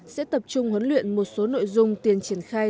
sẽ tập trung huấn luyện một số nội dung tiền triển khai